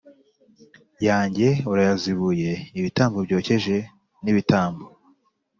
yanjye urayazibuye Ibitambo byokeje n ibitambo